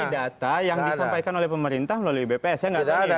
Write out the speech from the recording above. ini data yang disampaikan oleh pemerintah melalui bps ya nggak ada